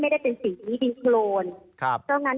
ไม่ได้เป็นสิ่งที่ดินโครน